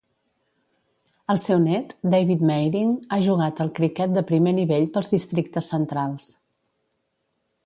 El seu net, David Meiring, ha jugat al criquet de primer nivell pels districtes centrals.